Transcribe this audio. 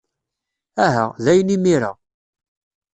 Aha, dayen imir-a.